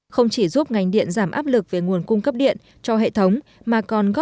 không chỉ giúp ngành điện giảm áp lực về nguồn cung cấp điện cho hệ thống